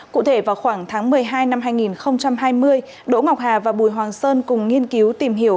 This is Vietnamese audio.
cụ thể vào khoảng tháng một mươi hai năm hai nghìn hai mươi đỗ ngọc hà và bùi hoàng sơn cùng nghiên cứu tìm hiểu